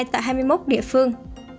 tại hai mươi một địa phương